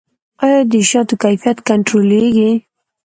آیا د شاتو کیفیت کنټرولیږي؟